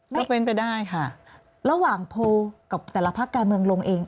ก็เป็นไปได้ค่ะระหว่างโพลกับแต่ละพักการเมืองลงเอง